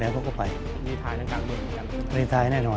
อเจมส์วิธีพลังภาคบริษัทราชาวิทยาลัยบริษัทราชาวิทยาลัยแน่นอน